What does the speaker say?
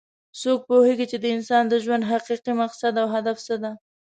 څوک پوهیږي چې د انسان د ژوند حقیقي مقصد او هدف څه ده